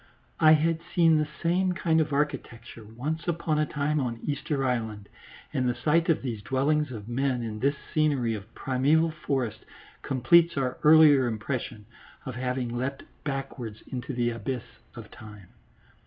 I had seen the same kind of architecture once upon a time on Easter Island, and the sight of these dwellings of men in this scenery of primeval forest completes our earlier impression of having leapt backwards into the abyss of time.